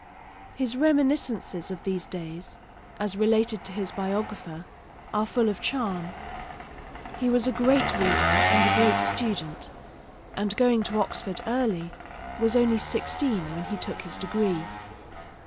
His reminiscences of these days, as related to his biographer, are full of charm. He was a great reader and a great student; and going to Oxford early, was only sixteen when he took his degree.